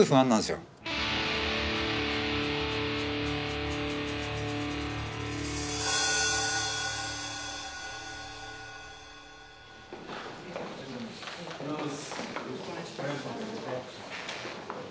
よろしくお願いします。